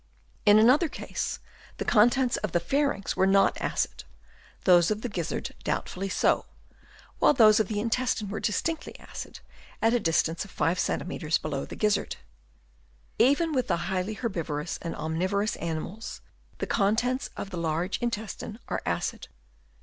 In another case the contents of Chap. I. CALCIFEROUS GLANDS. 53 the pharynx were not acid, those of the gizzard doubtfully so, while those of the in testine were distinctly acid at a distance of 5 cm. below the gizzard. Even with the higher herbivorous and omnivorous animals, the contents of the large intestine are acid.